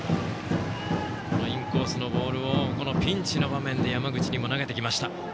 インコースのボールをピンチの場面で山口にも投げてきました。